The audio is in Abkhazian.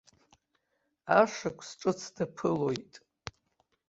Ашықәс ҿыц даԥылоит.